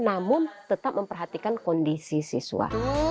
namun tetap memperhatikan kondisi siswa